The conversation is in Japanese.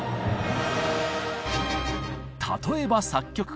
例えば作曲家。